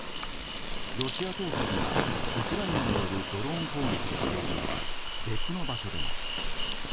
ロシア当局がウクライナによるドローン攻撃としているのは別の場所でも。